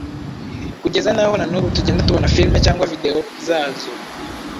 kugezanaho nanubu tugenda tubona film cg videos zazo